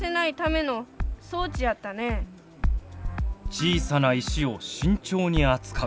小さな石を慎重に扱う。